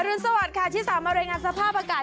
อรุณสวัสดิ์ค่ะที่สามอร่อยงานสภาพอากาศ